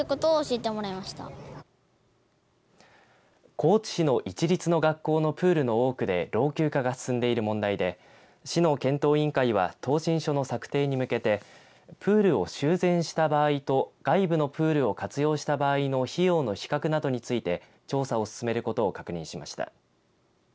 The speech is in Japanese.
高知市の市立の学校のプールの多くで老朽化が進んでいる問題で市の検討委員会は答申書の策定に向けてプールを修繕した場合と外部のプールを活用した場合の費用の比較などについて調査を進めることを確認しました。